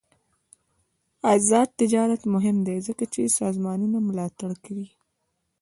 آزاد تجارت مهم دی ځکه چې سازمانونه ملاتړ کوي.